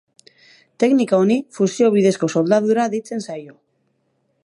Teknika honi fusio bidezko soldadura deitzen zaio.